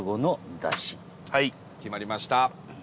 伊達：はい、決まりました。